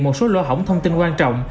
một số lô hỏng thông tin quan trọng